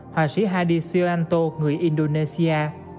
họa sĩ hadi sioanto người indonesia